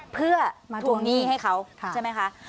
เพื่อมาทวงหนี้ให้เขาใช่ไหมคะ